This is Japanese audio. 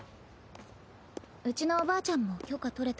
うちのおばあちゃんも許可取れた。